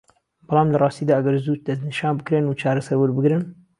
بەڵام لە راستیدا ئەگەر زوو دەستنیشان بکرێن و چارەسەر وەربگرن